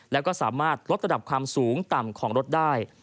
แล้วก็สามารถลดระดับความสูงต่ำของรถได้